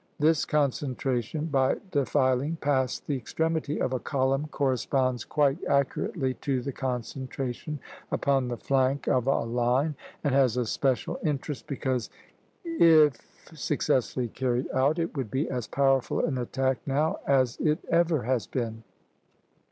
This "concentration by defiling" past the extremity of a column corresponds quite accurately to the concentration upon the flank of a line, and has a special interest, because if successfully carried out it would be as powerful an attack now as it ever has been.